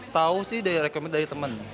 tahu sih dari rekomen dari temen